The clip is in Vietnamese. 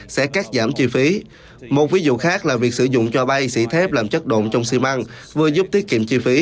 và phát giảm chi phí một ví dụ khác là việc sử dụng choa bay xỉ thép làm chất độn trong xi măng vừa giúp tiết kiệm chi phí